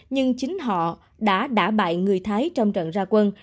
nhưng chính họ đã bại người thái trong trận ra quân